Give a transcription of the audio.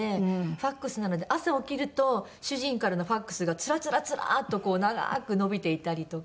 ファクスなので朝起きると主人からのファクスがつらつらつらーっと長く伸びていたりとか。